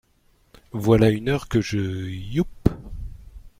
Voilà une heure que je… yupp !